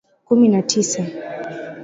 kumi na tisa